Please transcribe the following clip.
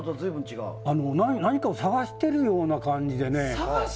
何かを探しているような感じでね。